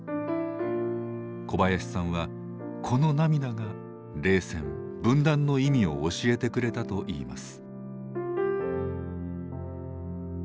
小林さんはこの涙が冷戦分断の意味を教えてくれたといいます。